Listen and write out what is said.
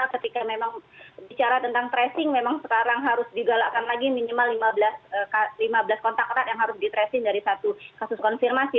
ketika memang bicara tentang tracing memang sekarang harus digalakkan lagi minimal lima belas kontak erat yang harus di tracing dari satu kasus konfirmasi